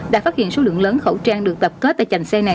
đã phát hiện số lượng lớn khẩu trang được tập kết tại chành xe này